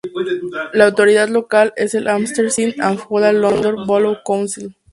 La autoridad local es el Hammersmith and Fulham London Borough Council.